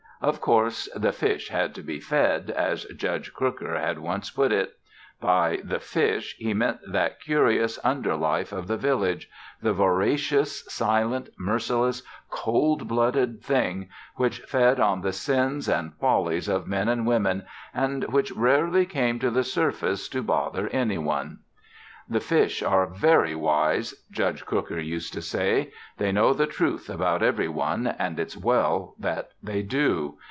Of course, "the fish had to be fed," as Judge Crooker had once put it. By "the fish," he meant that curious under life of the village the voracious, silent, merciless, cold blooded thing which fed on the sins and follies of men and women and which rarely came to the surface to bother any one. "The fish are very wise," Judge Crooker used to say. "They know the truth about every one and it's well that they do.